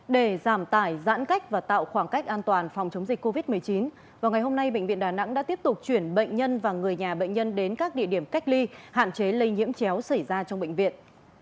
để giảm tải giãn cách và tạo khoảng cách an toàn phòng chống dịch covid một mươi chín vào ngày hôm nay bệnh viện đà nẵng đã tiếp tục chuyển bệnh nhân và người nhà bệnh nhân đến các địa điểm cách ly hạn chế lây nhiễm chéo xảy ra trong bệnh viện